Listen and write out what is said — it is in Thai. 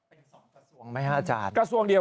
เป็นสองกระทรวงไหมอาจารย์